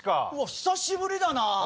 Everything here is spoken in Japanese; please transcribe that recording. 久しぶりだなぁ！